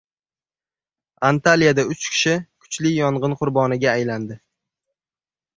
Antaliyada uch kishi kuchli yong‘in qurboniga aylandi